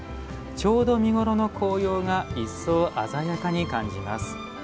ちょうど見頃の紅葉が一層、鮮やかに感じます。